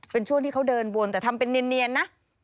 เป็นช่วงที่เขาเดินวนแต่ทำเป็นเนียนนะ